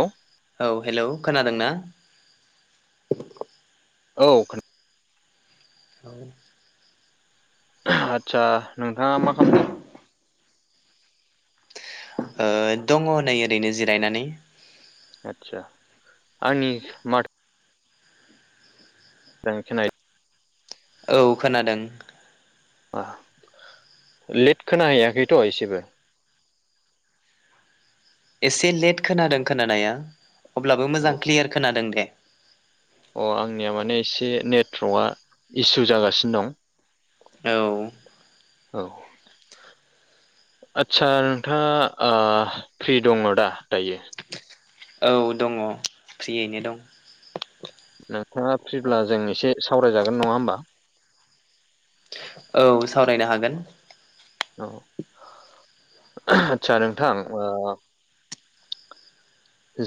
औ औ हेलौ खोनादों ना? औ खोना औ आदसा नोंथाङा मा खालामदों। ओ दङ नै ओरैनो जिरायनानै आतसा आंनि माथो जांखिनाय औ खोनादों। लेट खोना हैयाखैथ' एसेबो [unintelligible] एसे लेट खोनादों खोनानाया अब्लाबो मोजां क्लियार खोनादों दे। अ आंनिया माने एसे नेट्रकआ इसु जागासिनो दं औ औ आतसा नोंथांङा ओ फ्रि दंङ दा दायो? औ दंङ फ्रियैनो दं नोंथांङा फ्रिब्ला जों एसे सावरायजागोन नंङा होमबा औ सावरायनो हागोन औ आतसा नोंथां ओ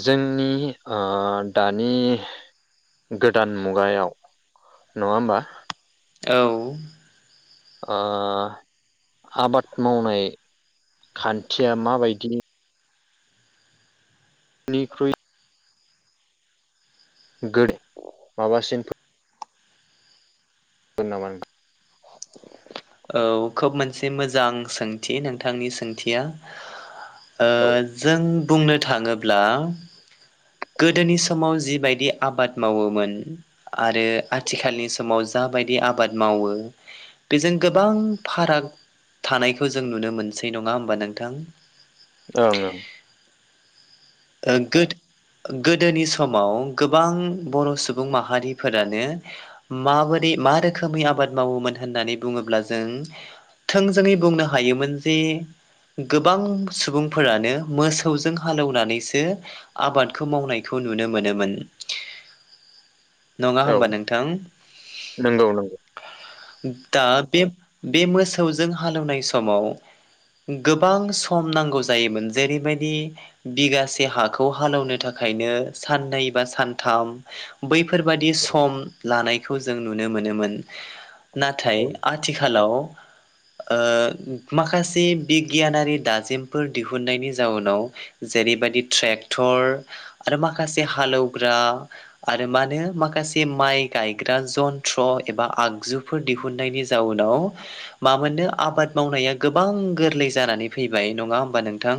जोंनि ओ दानि गोदान मुगायाव नंङा होमबा औ ओ आबाद मावनाय खान्थिया माबायदि निख्रुइ गोदो माबासिन मोननामा औ खोब मोनसे मोजां सोंथि नोंथांनि सोंथिया ओ ओं जों बुंनो थांङोब्ला गोदोनि समाव जिबायदि आबाद मावोमोन आरो आथिखालनि समाव जा माबायदि आबाद मावो बेजों गोबां फाराग थानायखौ जों नुनो मोनसै नंङा होमबा नोंथां ओं ओ गोद गोदोनि समाव गोबां बर' सुबुं माहारिफोरानो माबोरै मा रोखोमै आबाद मावोमोन होननानै बुंङोब्ला जों थोंजोङै बुंनो हायोमोन जे गोबां सुबुंफोरानो मोसौजों हालौवनानैसो दो आबादखौ मावनायखौ नुनो मोनोमोन नोंङा औ होमबा नोंथां नंगौ नंगौ दा बे बे मोसौजों हालौनाय समाव गोबां सम नांगौ जायोमोन जेरैबायदि बिगासे से हाखौ हालौनो थाखायनो साननै बा सानथाम बैफोरबादि सम लानायखौ जों नुनो मोनोमोन नाथाय औ आथिखालाव ओ माखासे बिगियानारि दाजिमफोर दिहुननायनि जाउनाव ज जेरैबायदि ट्रेक्टर आरो माखासे हालौवग्रा आरो मा होनो माखासे माइक गायग्रा जन्थ्र एबा आगजुफोर दिहुननायनि जाउनाव मामोननो आबाद मावनाया गोबां गोरलै जानानै फैबाय नंङा होमबा नोंथां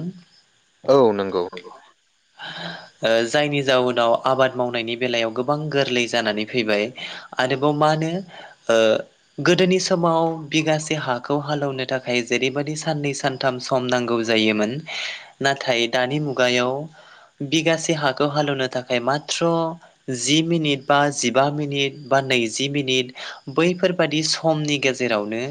औ नंगौ ओ जायनि जाउनाव आबाद मावनायनि बेलायाव गोबां गोरलै जानानै फैबाय आरोबाव मा होनो ओ गोदोनि समाव बिगासे हाखौ हालौनो थाखाय जेरैबायादि साननै सानथाम सम नांगौ जायोमोन नाथाय दानि मुगायाव बिगासे हाखौ हालौनो थाखाय माथ्र जि मिनिट बा जिबा मिनिट बा नैजि मिनिट बैफोरबादि समनि गेजेरावनो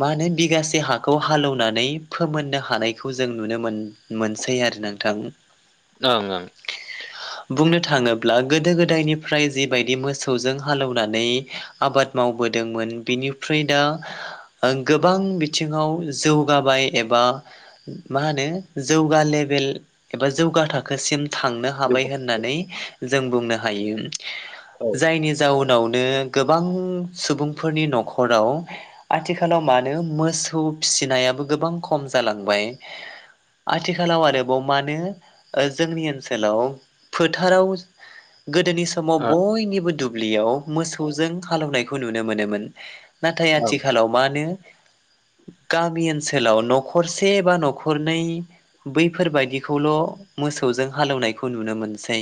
मा होनो बिगासे हाखौ हालौनानै फोमोननो हानायखौ जों नुनो मोन मोनसै आरो थां ओं बुंनो थांङोब्ला गोदो गोदायनिफ्राय जिबायदि मोसौजों हालौनानै आबाद मावबोदोंमोन बेनिफ्राय दा ओ गोबां बिथिंङाव जौगाबाय एबा मा होनो जौगाले ले एबा जौगा थाखोसिम थांनो हाबाय होननानै जों बुंनो हायो। ओं जायनि जाउन उनावनो गोबां सुबुंफोरनि न'खराव आथिखालाव मानो मोसौ सिबिनायाबो गोबां खम जालांबाय आथिखालाव आरोबाव मानो ओ जोंनि ओनसोलाव फोथाराव गोदोनि समाव औ बयनिबो दुब्लियाव मोसौजों हालेवनायखौ नुनो मोनोमोन। नाथाय ओं आथिखालाव मानो गामि ओनसोलाव न'खरसे बा न'खरनै बैफोरबायदि खौल' मोसौजों हालौनायखौ नुनो मोनसै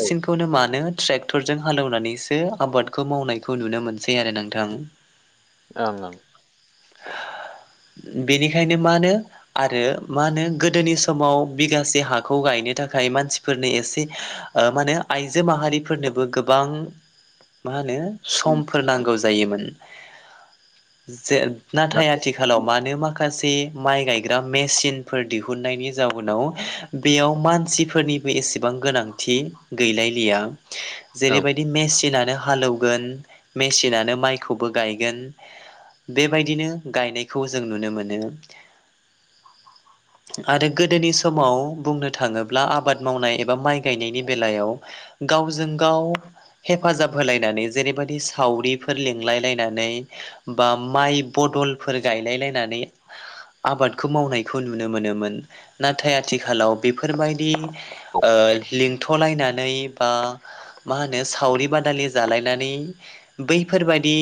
ओं मानो। ट्रेक्टरजों हालौनानैसो आबादखौ मावनायखौ नुनो मोनसै आरो नोंथां। ओं ओं। बेनिखायनो मानो आरो मानो गोदोनि स समाव बिगासे हाखौ गायनो थाखाय मानसिफोरनो एसे ओ मानो आइजो माहारिफोरनो बो गोबां मा होनो समफोर नांगौ जायोमोन जे नाथाय आथिखालाव मानो माखासे माइ गायग्रा मेसिनफोर दिहुननायनि जाउनाव बेयाव मानसिफोरनिबो एसेबां गोनांथि गैलायलिया। ओं जेरैबायदि मेसिना हालौगोन मेसिनानो माइखौबो गायगोन। बेबायदिनो गायनायखौ जों नुनो मोनो आरो गोदोनि समाव बुंनो थाङोब्ला आबाद मावनाय एबा माइ गायनायनि बेलायाव गावजों गाव हेफाजाब होलायनानै जेरैबायदि सावरिफोर लिंलाय लायनानै बा माइ बदलफोर गायलाय लायनानै आबादखौ मावनायखौ नुनो मोनोमोन। नाथाय आथिखालाव बेफोरबायदि ओ लिंथ'लायना नै बा मा होनो सावरि बादालि जालायनानै बैफोरबादि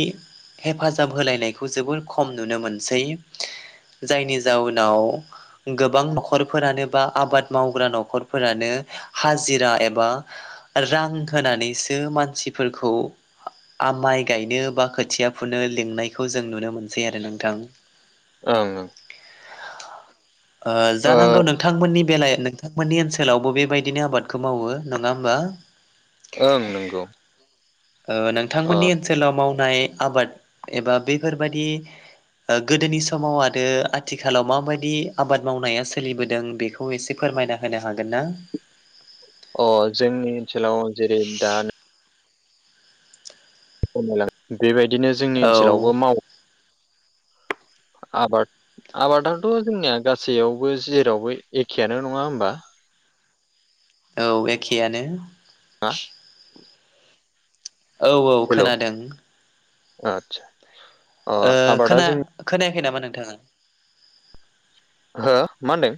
हेफाजाब होलायनायखौ जोबोर खम नुनो मोनसै। जायनि जाउनाव गोबां न'ख खरफोरानो बा आबाद मावग्रा न'खरफोरानो हाजिरा एबा रां होनानैसो मानसिफोरखौ आ माइ गायनो बा खोथिया फुनो लिंनायखौ जों नुनो। मोनसै आरो नोंथां ओं ओं ओ ओ जानांगौ नोंथांमोननि बेलाया नोंथांमोननि ओनसोलावबो बेबायदिनो आबादखौ मावो नङा होमबा। ओं नंगौ ओ ओ नोंथांमोननि ओनसोलाव माव नाय आबाद एबा बैफोरबायदि गोदोनि समाव आरो आथिखालाव माबायदि आबाद मावनाया सो सोलिबोदों बेखौ एसे फोरमायना होनो हागोन ना। अ जोंनि ओनसोलाव जेरै दान खमायलाङो बेबायदिनो जोंनि औ ओनसोलावबो मावो। [inaudible] आबाद आबादाथ' जोंनिया गासैयावबो जेरावबो एखेयानो नङा होमबा। औ एखेआनो। हा औ औ खोनादों। आदसा अ ओ आबादा खोना जों खोनायाखै नामा नों थांआ। हो मा होनदों?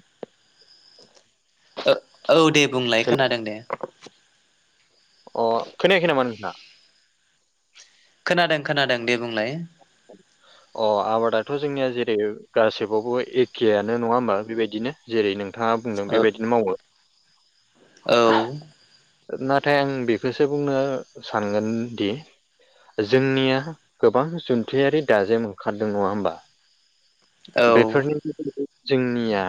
ओ औ दे बुंलाय हेल' खोनादों दे। अ खोनायाखै नामा नोंथां? खोनादों खोनादों दे बुंलाय। अ आबादाथ' जोंनिया जेरै गासिबावबो एखेआनो नङा होमबा बेबायदिनो जेरै नों थाङा बुंदों ओ बेबायदिनो मावो औ नाथाय आं बेखौसो बुंनो सानगोन दि जोंनिया गोबां ज [unintelligible] दाजेम ओंखारदों नङा होमबा औ बेफोरनि। जोंनिया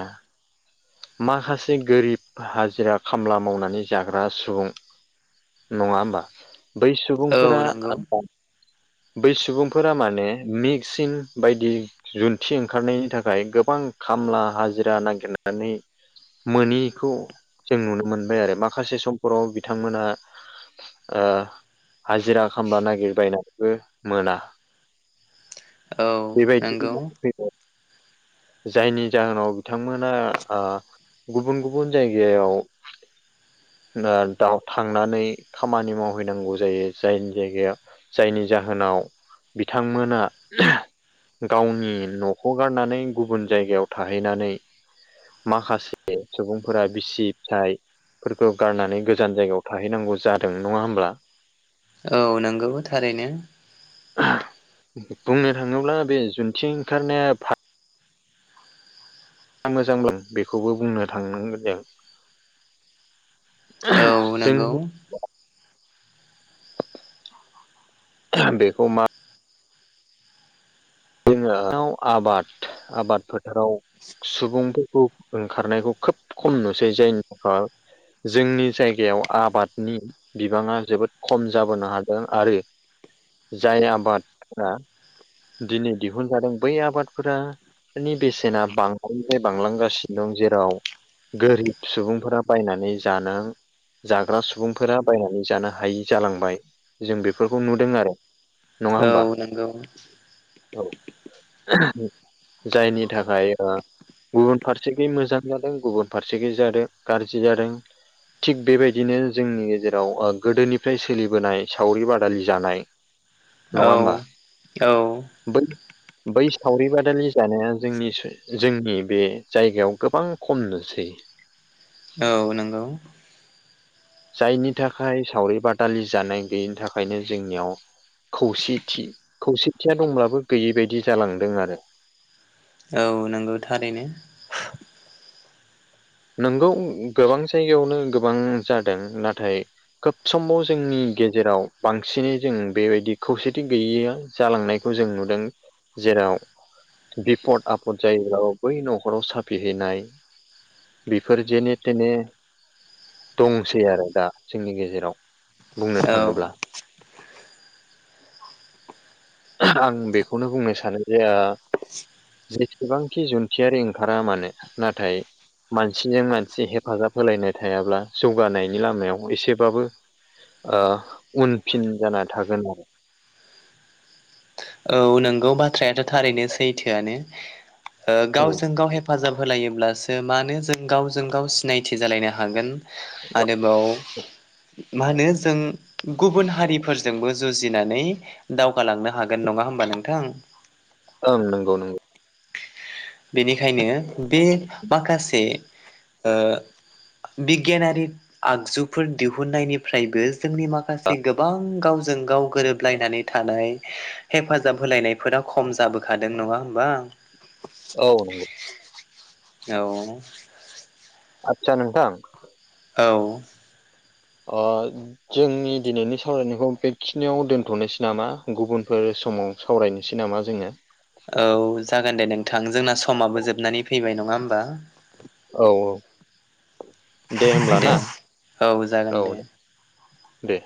माखासे गोरिब हाजिरा खामला मावनानै जाग्रा सुबुं नङा होमबा बै औ सुबुंफोरा नंगौ [inaudible] बै सुबुंफोरा माने मेक्सिन बायदि जुन्थि ओंखारनायनि थाखाय गोबां खामला हाजिरा नागिरनानै मोनैखौ जों नुनो मोनबाय आरो माखासे समफोराव बिथांमोना ओ हाजिरा खालामा नागिरबायनानैबो मोना। औ नंगौ [unintelligible] जायनि जाहोनाव बिथांमोना ओ। गुबुन गुबुन जायगायाव [inaudible] [unintelligible] थांनानै खामानि मावहैनांगौ जायो जायनि जायगायाव जायनि जाहोनाव बिथांमोना गावनि न'खौ गारनानै गुबुन जायगायाव थाहैनानै माखासे सुबुंफोरा बिसि फिसाय फोरखौ गारनानै गोजान जायगायाव थाहैनांगौ जादों नङा होमब्ला औ नंगौ थारैनो बुंनो थाङोब्ला बे जुन्थि ओंखारनाया मोजांबो बेखौबो बुंनो थांनांगोन जों औ नंगौ। जों बेखौ मा जोङो आबाद आबाद फोथाराव सुबुंफोर खौ ओंखारनायखौ खोब खम नुसै जायनि [unintelligible] जोंनि जायगायाव आबादनि बिबाङा जोबोद खम जाबोनो हादों आरो जाय आबादफोरा दिनै दिहुनजादों बै आबादफोरा फोरनि बेसेना बांनायनिफ्राय बांलांगासिनो दं जेराव गोरिब सुबुंफोरा बायनानै जानो जाग्रा सुबुंफोरा बायनानै जानो हायि जालांबाय जों बेफोरखौ नुदों आरो नङा होमबा औ नंगौ औ [unintelligible] जायनि थाखाय गुबुन फारसेखै मोजां जादों गुबुन फारसेखै जादों गारजि जादों थिग बेबायदिनो जोंनि गेजेराव ओ गोदोनिफ्राय सोलिबोनाय सावरि बादालि जानाय नङा औ होमबा औ। बै बै सावरि बादालि जानाया जोंनि जोंनि बे जायगायाव गोबां खम नु सै औ नंगौ। जायनि थाखाय सावरि बादालि जानाय गैयिनि थाखायनो जोंनियाव खौसेथि खौसेथिया दंब्लाबो गैयै बायदि जालांदों आरो। औ नंगौथारैनो नोंगौ गोबां जायगायावनो गोबां जादों नाथाय खोब समाव जोंनि गेजेराव बांसिनै जों बेबायदि खौसेथि गैयैया जालांनाय जों नुदों जेराव बिफद आफद जायोब्ला बै न'खराव साफि हैैनाय बेफोर जेने थेने। दंसै आरो दा जोंनि गेजेराव बुंनो औ थाङोब्ला [inaudible] आं बेखौनो बुंनो सानो जे ओ जेसेबांखि जुन्थियारि ओंखारा मानो नाथाय मानसिजों मानसि हेफाजाब होलायनाय थायाब्ला जौगानायनि लामायाव एसेबाबो ओ उनफिन जाना थागोन आरो। [inaudible] औ नंगौ बाथ्रायाथ' थारैनो सैथोआनो ओ औ गावजों गाव हेफाजाब होलायोब्लासो मानो जों गावजों गाव सिनायथि जालायनो हागोन। आरोबाव मा होनो जों गुबुन हारिफोरजोंबो जुजिनानै दावगालांनो हागोन। गोन नङा होमबा नोंथां। ओं नंगौ नंगौ बेनिखायनो बे माखासे ओ बिगियानारि आगजुफोर दिहुननायनिफ्रायबो जोंनि माखासे गोबां गाव गावजों गाव गोरोबलायनानै थानाय हेफाजाब होलायनायफोरा खम जाबोखादों नङा होमबा। [inaudible] औ नंगौ। औ। आतसा नोंथां औ। ओ जोंनि दिनैनि सावरायनायखौ बेखिनियाव दोनथ'नोसै नामा गुबुनफोर समाव सावरायनोसै नामा जोङो। औ जागोन दे नोंथां जोंना समाबो जोबनानै फैबाय नङा होमबा। औ औ दे होब्ला ना औ दे। दे।